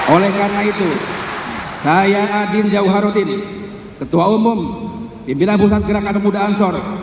oleh karena itu saya adin jauharudin ketua umum pimpinan pusat gerakan pemuda ansor